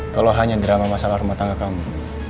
tolong hanya drama masalah rumah tangga kamu